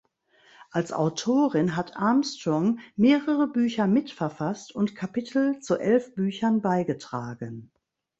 Als Autorin hat Armstrong mehrere Bücher mitverfasst und Kapitel zu elf Büchern beigetragen.